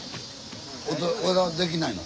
できないの？